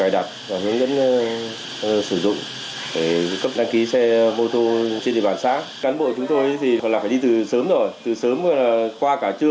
đăng ký xe mô tô trên địa bàn xã cán bộ chúng tôi thì còn là phải đi từ sớm rồi từ sớm qua cả trưa